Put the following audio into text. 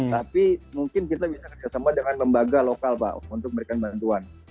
tapi mungkin kita bisa kerjasama dengan lembaga lokal pak untuk memberikan bantuan